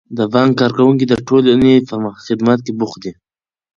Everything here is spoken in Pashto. د بانک کارکوونکي د ټولنې په خدمت کې بوخت دي.